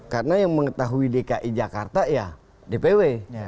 karena yang mengetahui dki jakarta ya dpw